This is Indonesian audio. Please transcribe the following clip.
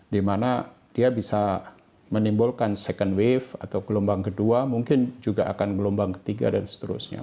dimana dia bisa menimbulkan second wave atau gelombang kedua mungkin juga akan gelombang ketiga dan seterusnya